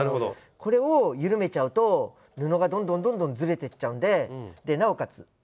これを緩めちゃうと布がどんどんどんどんずれてっちゃうんでなおかつ